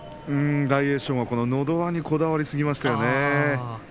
大栄翔はのど輪にこだわりすぎましたよね。